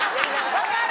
分かる。